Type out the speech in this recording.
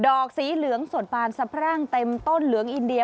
อกสีเหลืองส่วนปานสะพรั่งเต็มต้นเหลืองอินเดีย